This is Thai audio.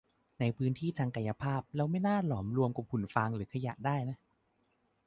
ในพื้นที่ทางกายภาพเราไม่น่าหลอมรวมกับหุ่นฟางหรือขยะได้นะ